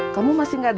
kamu masih gak ada